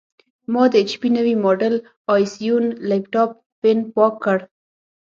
ما د ایچ پي نوي ماډل ائ سیون لېپټاپ فین پاک کړ.